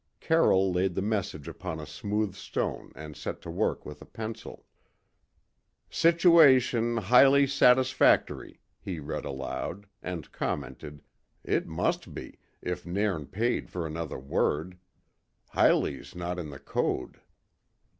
Carroll laid the message upon a smooth stone and set to work with a pencil. "'Situation highly satisfactory,'" he read aloud, and commented: "It must be, if Nairn paid for another word; 'highly's' not in the code."